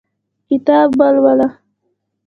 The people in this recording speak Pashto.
کتاب ولوله